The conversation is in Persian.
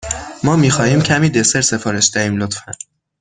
ما می خواهیم کمی دسر سفارش دهیم، لطفا.